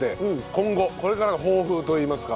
今後これからの抱負といいますか。